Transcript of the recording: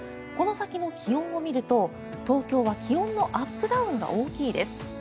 この先の気温を見ると東京は気温のアップダウンが大きいです。